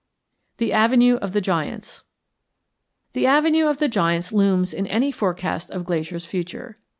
THE AVENUE OF THE GIANTS The Avenue of the Giants looms in any forecast of Glacier's future.